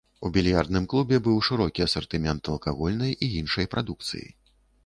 У більярдным клубе быў шырокі асартымент алкагольнай і іншай прадукцыі.